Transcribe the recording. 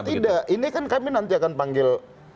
tidak ini kan kami nanti akan panggil